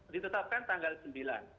ditetapkan tanggal sembilan